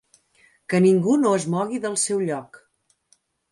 Que ningú no es mogui del seu lloc!